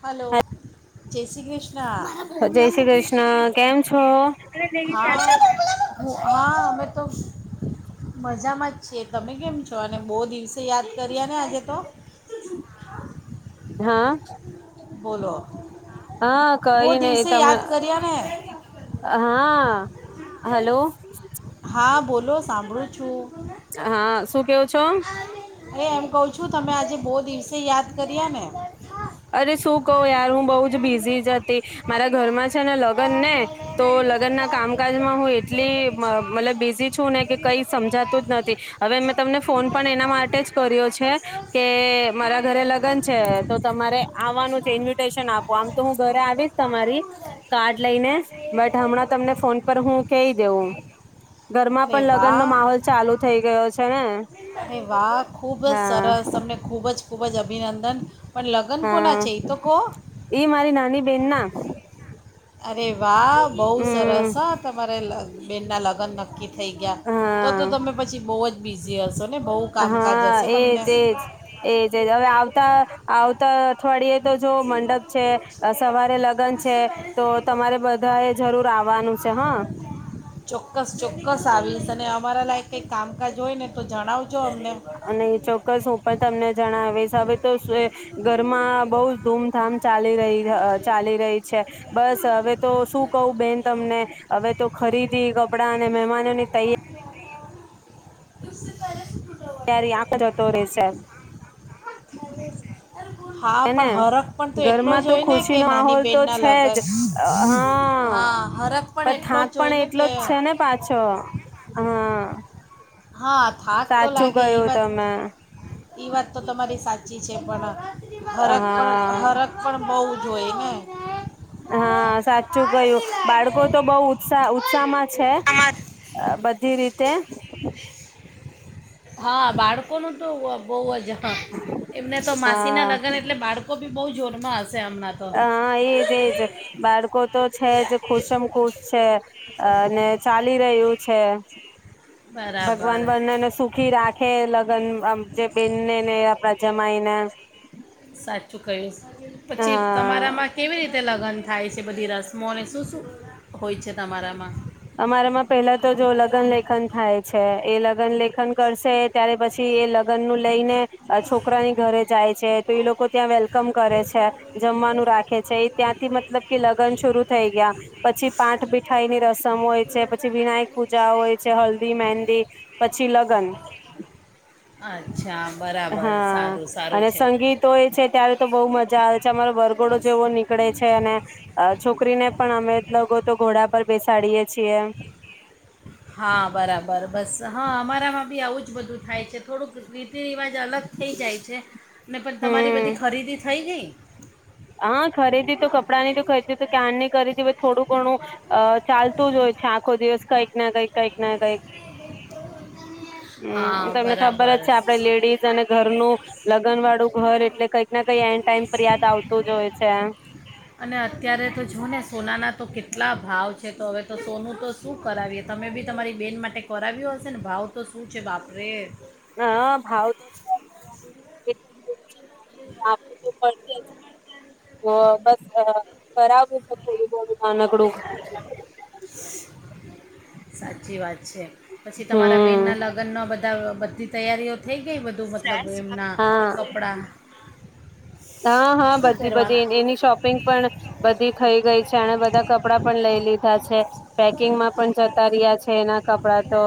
Hello. જય શ્રી કૃષ્ણ. જય શ્રી કૃષ્ણ કેમ છો હા. હા, અમે તો મજામાં જ છીએ. તમે કેમ છો અને બોવ દિવસે યાદ કરીયા ને આજે તો? હા. હા. હા, બહુ કઈ નય દિવસે તમે યાદ કર્યા ને હા. હલો. હા બોલો સાંભળું છું. હા, શું ક્યો છો? અરે, એમ કવ છું, તમે આજે બોવ દિવસે યાદ કર્યા ને? અરે શું કવ યાર, હું બઉ જ બિઝી જ તી મારા ઘરમાં છે ને લગન ને. તો લગન ના કામકાજમાં હું એટલી મ મતલબ બિઝી છું ને કે કઈ સમજાતું જ નથી. હવે મેં તમને ફોન પણ એના માટે જ કર્યો છે કે, મારા ઘરે લગન છે. અરે આવાનું છે. ઇન્વિટેશન આપો આમ તો હું ઘરે આવીશ તમારી કાર્ડ લઈને. બટ હમણાં તમને ફોન પર હું કહી દેઉં. ઘરમાં અરે પણ લગનનો વાહ માહોલ ચાલુ થઈ ગયો છે. છે ને અરે વા. ખુબ જ હા સરસ તમને ખુબ જ ખૂબ જ અભિનંદન. પણ લગ્ન કોના હા, છે એ તો કહો એ મારી નાની બેનના. અરે વા, બોવ હમ સરસ અ તમારે લગ બેનના લગન નક્કી થઈ ગયા. તો હા તો તમે પછી બોવ જ બીઝી હસ હા, એજ એજ એજ એજ. હવે આવતા આવતા અઠવાડીએ તો જોવો મંડપ છે, અ સવારે લગન છે. તો તમારે બધા એ જરૂર આવવાનું છે હ. ચોક્કસ ચોક્કસ આવીશ અને અમારા લાયક કઈક કામકાજ હોય ને તો જણાવજો અમને. અને ચોક્કસ હું પણ તમને જણાવીશ. હવે તો સો એ ઘરમાં બોવ ધૂમધામ ચાલી રહી એ અ ચાલી રહી છે. બસ હવે તો શું કહું બેન તમને હવે તો ખરીદી કપડાં અને મહેમાનોની તૈયા [unintelligible] ત્યારે આંખ જતો રહેેશે. હા, પણ હરખ પણ તો એટલો જ તો હોય ને કે ખુશી નો નાની માહોલ તો બેનના છે લગન. જ હા, હરખ પણ એટલો જ હોય ને કે છો. હા. હા, થાક તો સાચું લાગે. ઈ કયું વાત તમે ઈ વાત તો તમારી સા ચી છે. પણ, અ હરખ પણ હા. હરખ પણ બહુ જોઈએ ને હા, સાચું કહ્યું બાળકો તો બોવ ઉત્સા ઉત્સાહમાં છે. અ બધી રીતે. આ બાળકોનો તો બવ જ એમને તો માસીના લગ્ન એટલે બાળકો બી બહુ જોડમાંસ અ એજ એજ બાળકો તો છે જ ખુશમ ખુશ છે. અને ચાલી રહ્યું છે. ક્ષ ભગવાન બરાબર વર્ણને સુખી રાખે લગ્ન અમં જે બેને ને આપણા જેમ માયના સાઠ છૂકરેસ પછી હા તમારામાં કેવી રીતે લગ્ન થાય છે બધી રસમોને શું શું હોય છે તમારામાં અમારામાં પેલા તો જો લગ્ન લેખન થાય છે એ લગ્ન લેખન કરશે ત્યારે પછી એ લગ્ન નું લઈને આ છોકરાની ઘરે જાય છે. તે લોકો ત્યાં વેલ કમ કરે છે, જમવાનું રાખે છે, એ ત્યાંથી મતલબ કે લગ્ન શરૂ થઈ ગયા. પછી પાઠ બીઠાઈ ની રસ મ હોય છે, પછી વિનાયક પૂજા હોય છે, હલ્દી મેહેંદી, પછી લગ્ન. અચ્છા. બરાબર હા સારું સારું અને છે સંગીતો એ છે ત્યારે તો બહુ મજા આવે છે અમારો વરઘોડો જેવો નીકળે છે અને છોકરીને પણ અમે લોકો તો ઘોડા પર બેસાડીએ છીએ હા બરાબર બસ. હા અમારામાં બી આવું જ બધું થાય છે થોડુંક રી રીતિરિવાજ અલગ થઈ જાય છે. ને પણ તમારી બધી ખરીદી થઈ ગઈ. આ ખરીદી તો કપડાંની તો ખરીદી તો ક્યારની કરી દિવસ થોડું ઘણું અ ચાલતું જ હોય છે આખો દિવસ કઈક ના કઈક કઈક ના કઈક. હમ હા તમને ખબર જ બરાબર છે આપડે લેડીઝ અને ઘરનું લગ્ન વાળું ઘર એટલે કઈક ના કઈ એન ટાઈમ પર યાદ આવતું જ હોય છે. અને અત્યારે તો જો ને સોનાના તો કેટલા ભાવ છે તો હવે તો સોનું તો શું કરાવીએ તમે બી તમારી બેન માટે કરાવ્યો હશે ને ભાવ તો સુ સુ છે બાપ રે. હા કંજે નાનીને તો આપવુ તો પડશે જ. તો બસ કરાવું છે થોડું થોડું સાચી વાત છે પછી તમારા બેન હમ ના લગ્ન ના બધા બધી તૈયારીઓ [unintelligible] બધું મતલબ એમના હા કપડાં હા હા શું બધી બધી પહેરવાના એની શોપિંગ પણ બધી થઈ ગઈ છે અને બધા કપડા પણ લઈ લીધા છે પેકિંગમાં પણ જતા રહ્યા છે એના કપડા તો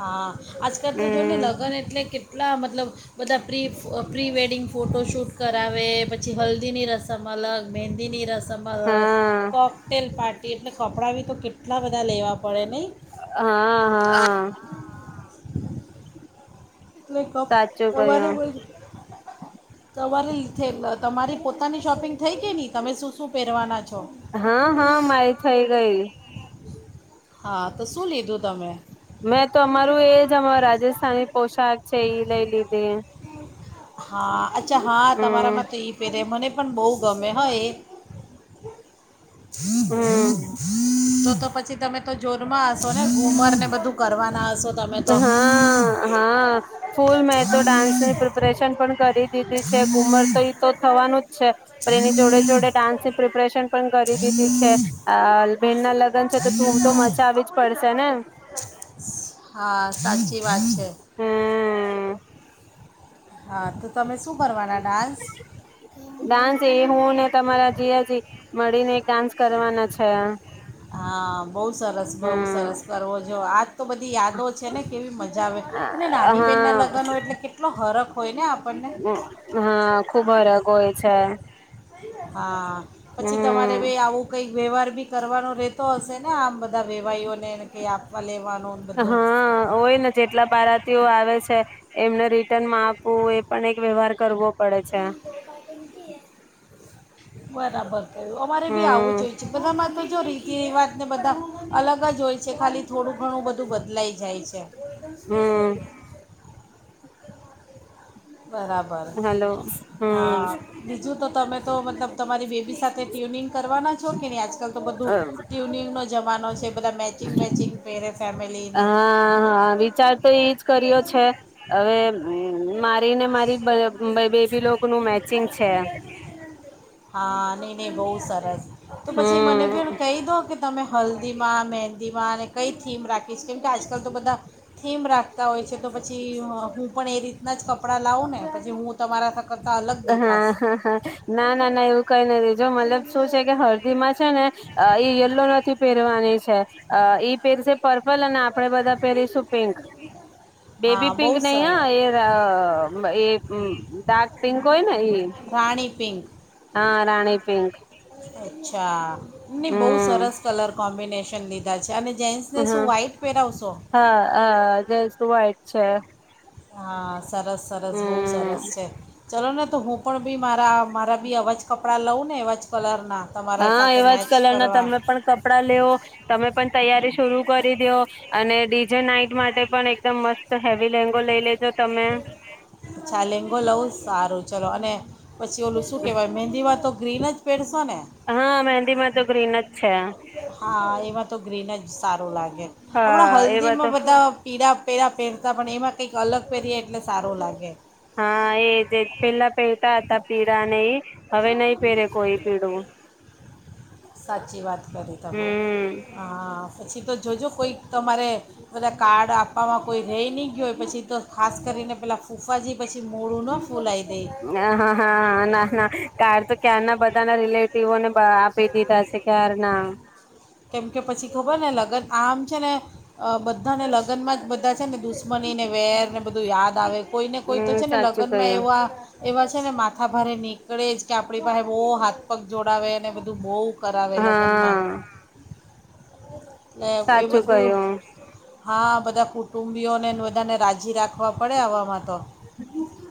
હા આજકાલ તો જો ને હમ લગ્ન એટલે કે આપટણાલા મતલબ બધાબ પ્રી ફ પ્રી વેડિંગ ફોટોશૂટ કરાવે પછી હલ્દી ની રસમ અલગ મહેંદીની રસ સમ હા કોકટેલ પારટ તે એટલે કપડાં બી તો કેટલા બધા લેવાડ હા, હા [inaudible] [inaudible] સાચું કપવારે કયું બ સવારે [unintelligible] તમારી પોતાની શોપિંગ થઈ કે નની તમે શું શું પહેરવાના છો હા, હા, મારી થઇ ગઈ હા તો શું લીધું તમે મેં તો અમારું એ જ રાજસ્થાની પોશાક છે એ લઈ લધે હા અચ્છા હા તમારામાં તો એ પેરે મને પણ બહુ ગમે હો એ હમ, [unintelligible] તો તો પછી તમે તો જોરમાં આશો ને ઉમર ને બધું કરવાનું બનાવશો તમે તો હ ફૂલ મેં તો ડાન્સની પ્રિપરેશન પણ કરી દીધી છે ઘુમર તો એ તો થવાનું જ છે પણ એની જોડે જોડે ડાન્સની પ્રિપરેશન પણ કરી દીધી છે બેહેન ના લગ્ન છે તો ધૂમ તો મજા આવી જ પડશે ને હા સાચી વાત છે હમ [unintelligible] હા [unintelligible] હા તો તમે શું કરવાના હા બહ ડાન્સ એ હું ને તમારા જીજાજી મળીને એક ડાન્સ કરવાના છે સરસ બઉ હમ સરસ કરવો જો આજ તો બધી યાદો છે ને કેવી મજા આવે અને હા નાની બેહેન ના લગ્નો એટલે કેટલો હરખ હોય ને આપ હા ખુબ હરાગ હોય છે હા પછી તમારે હમ ભ આવું કઈ વ્યવહાર બી કરવાનો રેતો હશે ને આમ બ બધા વેવાઓને એને ક આપવા લેવા હા હોય ને જેટલા બારાતીઓ આવે છે એમને રિટર્ન મા આપવું એ પણ એક વ્યવહાર કરવો પડે છે [inaudible] બરાબર અમારે બી આવું હમ જોઈ છે બધા માં જો રીતિ રિવાજને બધા અલગ જ હોય છે ખાલી થોડું ઘણું બધું લઈ જાય છે. હમ બરાબર હલો હમ હા બીજું તો તમે તો મતલબ તમારી બેબી સાથે ટ્યુનિંગ કરવાના છો કે નહી આજકાલ તો બધું ટ્યુનિંગ નો જવાનો છે. બધા મેચિંગ મેચિંગ પહેરે ફેમિલીને હા હા વિચાર તો એજ કર્યો છે હવે મારે ને મારી બેબીલો નું મેચિંગ છે. ને બહુ સરસ. તો પછી મને હમ ભી કહી દો કે તમે હલ્દીમાં મેન દીમાં ને કઈ થીમ રાખીશ કેમ કે આજકાલ તો બધા થીમ રાખતા હોય છે તો પછી હું પણ એ રીતના જ કપ ડા લાવ ને પછી હું તમારા સાથ હા હ હ ના ના ના એવું કઈ નહ રેજો મતલબ શું છે કે હળદીમાં છે ને યલો નથી પહેરવાની છે અ પેરસે પર્પલ અને આપ આપડે બધા પહેરીશું પિંક હા બેબી પિંક બહુ નહી સર હા એ અ એ હમ [inaudible] પિંક હોયને ઈ રાણીપિંક હા રાણી પિંક અચ્છા ને બહુ હમ સરસ કલર કોમ્બિનેશન લીધા છે અને જેન્ટ્સને શું હમ વ્હાઇટ પહેરાવશો હા અ વાઈટ છે હા સરસ, સરસ, બહુ સરસ હમ છે ચલો ને તો હું પણ બી મારા મારા બી અવા જ કપડાં લઉં ને એવાજ કલરના તમારા હા સાથે એવાજ મેચ કલર ના કરવા તમે પણ કપડા લેવો, તમે પણ તૈયારી શુરૂ કરી દેઓ અને જે નાઈટ માટે પણ એકદમ મસ્ત હેવી લેંગો લઈ લેજો તમે [inaudible] અચ્છા લેંગો લઉું સારું ચલો અને પછી ઓલું શું કેહેવાય મહેંદી વા તો ગ્રીન જ પેરશો ને હા મેંહદી માતો ગ્રીન જ છે હા એમાં તો ગ્રીન જ સારું લાગે આપણા હા એવા તો હલ્દીમાં બધા પીળા પેરા પેર ત પણ એમાં કંઈક અલગ પહેરીએ એટલે સારું લાગે હા એ જ એ જ પેલા પહેરતા હતા પીળા ને એ હવે નહી પહેરે કોઈ પીળું [inaudible] સાચી વાત કરી તમે, હમ હા પછી તો જોજો કોઈ તમારે બધા કાર્ડ આપવામાં કોઈ રેય ની ગયું હોય પછી તો ખાસ કરીને પેલાં ફૂફાજી પછી મોડુંનો હા, હા, હા, ના, ના કાડ તો ક્યંના બધા ના રિલેટિવોને બ આપી દીધા છે ક્યાર ના કેમ કે પછી ખબર ને લગ્ન આમ છે ને અ બધાને લગ્નમાં જ બધા છે ને દુશ્મની ને વેર ને બધું યાદ આવે કોઈને કોઈ તો હમ છે ને સાચું લગ્નમાં કયું એવા એવા છે ને માથા ભારે નીકળે જ, કે આપણી પાસે બહુ હાથ પગ જોડાવે અને બ દુ બોવ કરાવે લગનમાં હા સાચું કહ્યું હા બધા કુટુંબીઓને ને બધાને રાજી રાખવા પડે આવામાં તો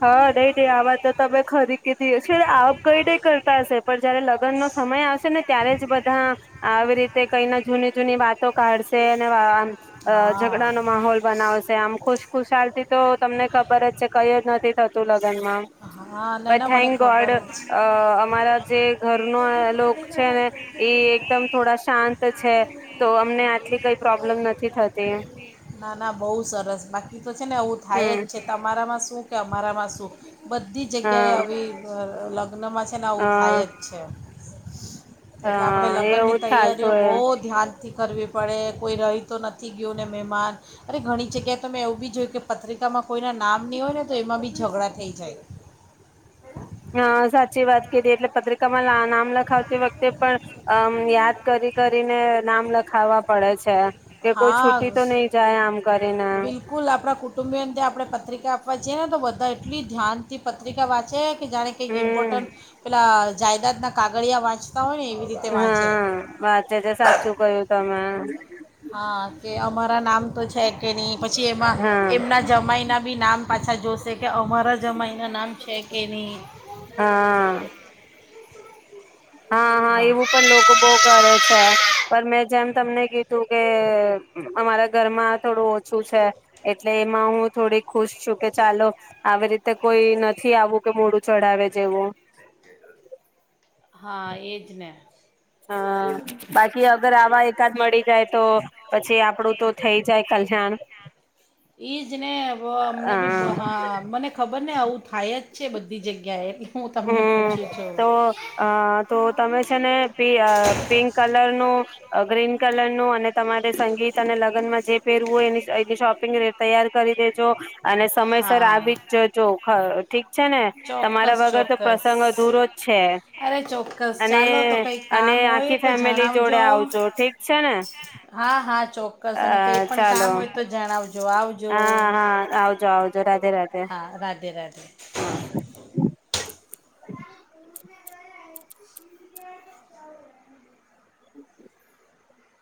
હા, નય, નય આ વાત તમે ખરી કી દી છે આમ કઈ નય કરતા હશે પણ જયારે લગ્નનો સમય આવશે ને ત્યારે જ બધા આવી રીતે તે કઈ ના જૂની જૂની વાતો કાઢશે, અને આમ અ હા ઝઘડાનો માહોલ બનાવશે આમ ખુશખુશાલ થી તો તમને ખબર જ ક જ નથી થતું લગનમાં, હા ના પણ ના મને થેન્ક ખબર ગોડ જ છે. અ અમારા જે ઘર લોક છે ને ઈ એકદમ થોડા શાંત છે તો અમને આટલી કઈ પ્રબ્લેમ નથી થતી, ના ના બહુ સરસ બાકી તો છે ને આવું થાય હમ જ છે તમારામાં શું કે અમારામાં સુખ બધી જગ્યાએ હા આવી અલગ લગ્નમાં છે ને આવું અ થાય જ છે અ એટલે આપડે લગ્ન ની એવું તૈયારીઓ ચાલતું બહુ એ ધ્યાન નથી કરવી પડે કોઈ રહી તો નથી ગયું ને મહેમાન અરે ઘણી જગ્યાએ તો મેં એવું બી જોયું કે પત્રિકામાં કોઈના નામ નહીં હોય ને તો એમાં બી ઝઘડા થઈ જાય હ, સાચી વાત કીધી એટલે પત્રિકામાં નામ લખાવતી વખતે પણ અમ યાદ કરી કરીને નામ લખાવા પડે છે કે કોઈ હા, છૂટી તો નહી જાય આમ કરીને બિલકુલ આપણા કુટુંબી આપે પત્રિકા આપવા છીએ ને તો બધા એટલી ધ્યાન થી પત્રિકા વાંચે કે જાણે ક ઇમપોર્ટાન્ટ હમ પેલા જાાયદાદના કાગળિયા વાંચ હા વાંચે છે, સાચું કયું તમે હા કે અમારા નામ તો છે કે નહી પછી એમાં હા એમના જમાયના બી નામ પાછા જોશે કે અમારા જમાય ના નામ છે કે ની હા હા, હા, એવું પણ લોકો બહ કરે છે પણ મેં જેમ તમને કીધું કે અમારા ઘરમાં થોડું ઓછું છે એટલે એમાં હું થોડી ખુશ છું કે ચાલો આવી રીતે કોઈ નથી આવું કે મોડું ચઢાવે જેવું હા એજ ને હમ બાકી અગર આવા એકાદ મળી જાય તો પછી આપડું તો થઇ જાય કલ્યાણ ઈજ ને અમને અ બી હા મને ખબર ખબર ને આવું થાય જ છે બધી જગ્યા એ હમ તો અ તો તમે છે ને પિંક કલર નું ગ્રીન કલન. અને તમારે સંગીત અને લગ્નમાં જે પહેરવું હોય એની એની શોપિંગ તૈયાર કરી દેજો અને સમયસર હા આવી જ જજો ઠીક છે ને તમારા ચોક્કસ વગર અરે તો પ્રસંગ અધૂરો જ છે ચોક્કસ અને ચાલો તો કઈ અને કામ હોય આખી તો ફેમિલી જોડે જણાવજો આવજો ઠીક છે ને હા, હા ચોક્કસ અ અને કઈ પણ ચાલો કામ હોય તો જણાવજો આવજો હા, હા, આવજો આવઉજ. જરાક હા રાધે રાધે [inaudible] હમ